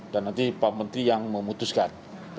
dan nanti pak menteri yang memutuskan